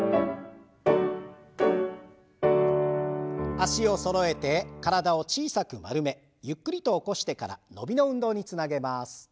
脚をそろえて体を小さく丸めゆっくりと起こしてから伸びの運動につなげます。